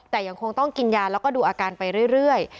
แต่ยังคงต้องกินยาแล้วก็ดูอาการไปเรื่อย